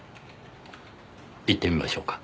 行ってみましょうか。